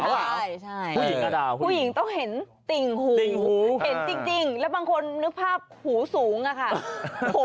ใช่ผู้หญิงต้องเห็นติ่งหูเห็นจริงแล้วบางคนนึกภาพหูสูงอะค่ะ